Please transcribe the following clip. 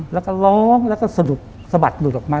แล้วก็ร้องแล้วก็สะบัดหลุดออกมา